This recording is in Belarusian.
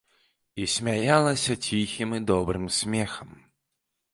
І смяялася ціхім і добрым смехам.